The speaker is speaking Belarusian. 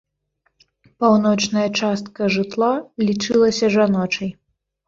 Паўночная частка жытла лічылася жаночай.